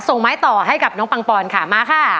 ส่งไม้ต่อให้กับน้องปังปอนค่ะมาค่ะ